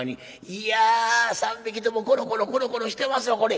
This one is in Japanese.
「いや３匹ともコロコロコロコロしてますよこれ。